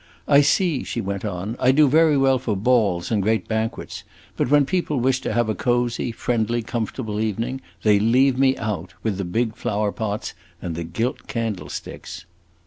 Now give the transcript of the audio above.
"I see," she went on, "I do very well for balls and great banquets, but when people wish to have a cosy, friendly, comfortable evening, they leave me out, with the big flower pots and the gilt candlesticks."